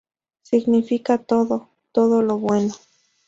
Significa todo; todo lo bueno.